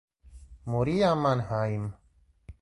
Morì a Mannheim.